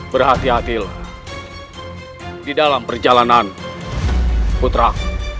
berhati hatilah di dalam perjalanan putra